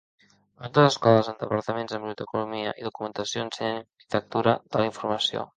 Moltes escoles amb departaments en biblioteconomia i documentació ensenyen arquitectura de la informació.